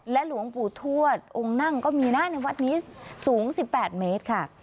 หลวงปู่ทวดองค์นั่งก็มีนะในวัดนี้สูง๑๘เมตรค่ะ